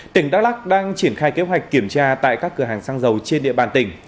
tỉnh đắk lắc đang triển khai kế hoạch kiểm tra tại các cửa hàng xăng dầu trên địa bàn tỉnh